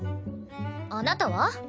あなたは？